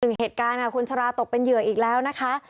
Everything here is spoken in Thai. หนึ่งเหตุการณ์ค่ะคุณชราตกเป็นเหยื่ออีกแล้วนะคะ